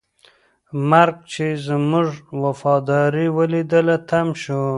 مرګ چې زموږ وفاداري ولیدله، تم شو.